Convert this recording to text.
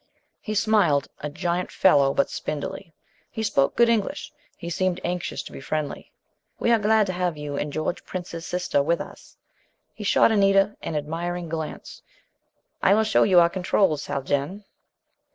He smiled. A giant fellow, but spindly. He spoke good English. He seemed anxious to be friendly. "We are glad to have you and George Prince's sister with us." He shot Anita an admiring glance. "I will show you our controls, Haljan."